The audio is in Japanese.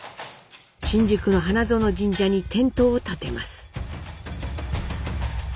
新宿の花園神社にテントをたてます。